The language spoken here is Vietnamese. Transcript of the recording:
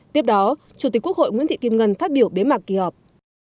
tiếp đó chủ tịch quốc hội nguyễn thị kim ngân phát biểu bế mạc kỳ họp